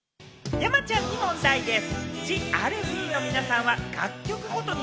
山ちゃんに問題でぃす！